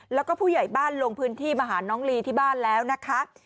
แล้วก็ผู้ใหญ่บ้านลงพื้นที่มาหาน้องลีที่บ้านแล้วนะคะ